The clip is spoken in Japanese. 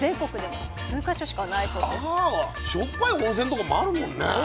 あしょっぱい温泉とかもあるもんね。